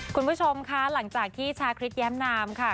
คุณผู้ชมคะหลังจากที่ชาคริสแย้มนามค่ะ